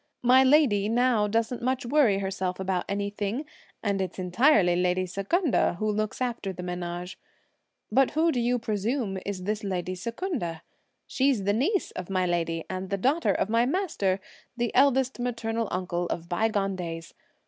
My lady now doesn't much worry herself about anything; and it's entirely lady Secunda who looks after the menage. But who do you presume is this lady Secunda? She's the niece of my lady, and the daughter of my master, the eldest maternal uncle of by gone days.